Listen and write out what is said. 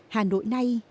hà nội nay